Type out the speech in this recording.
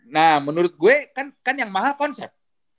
nah menurut gue kan yang mahal konsep